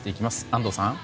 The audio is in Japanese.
安藤さん。